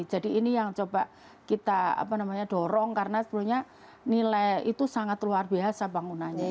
jadi ini yang coba kita dorong karena sebenarnya nilai itu sangat luar biasa bangunannya